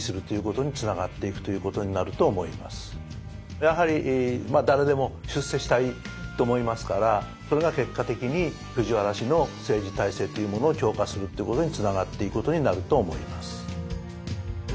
やはり誰でも出世したいと思いますからそれが結果的に藤原氏の政治体制っていうものを強化するっていうことにつながっていくことになると思います。